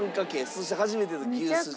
そして初めての牛すじ。